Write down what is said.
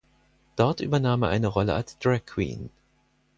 Dort übernahm er eine Rolle als Dragqueen.